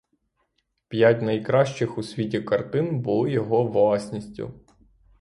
П'ять найкращих у світі картин були його власністю!